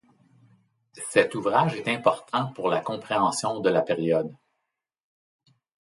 Cet ouvrage est important pour la compréhension de la période.